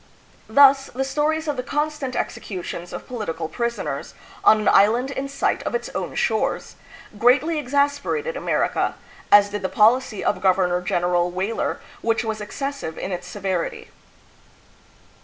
Thus the stories of the constant executions of political pris oners, on an island in sight of its own shores, greatly exasperated America, as did the policy of Governor gen eral Weyler, which was excessive in its severity.